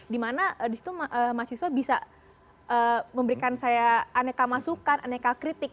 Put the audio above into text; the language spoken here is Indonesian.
dimana disitu mahasiswa bisa memberikan saya aneka masukan aneka kritik